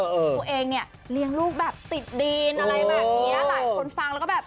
ตัวเองเนี่ยเลี้ยงลูกแบบติดดินอะไรแบบนี้หลายคนฟังแล้วก็แบบ